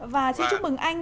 và xin chúc mừng anh